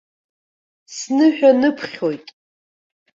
Сныҳәа-ныԥхьоит.